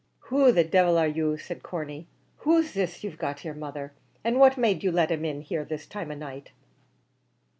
"Who the divil are you?" said Corney; "who's this you've got here, mother? and what made you let him in here this time of night?"